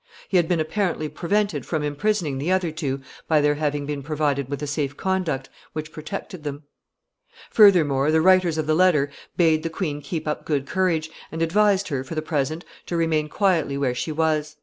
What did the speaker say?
He had been apparently prevented from imprisoning the other two by their having been provided with a safe conduct, which protected them. [Sidenote: The messengers' advice to the queen.] Furthermore, the writers of the letter bade the queen keep up good courage, and advised her, for the present, to remain quietly where she was.